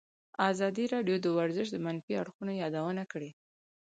ازادي راډیو د ورزش د منفي اړخونو یادونه کړې.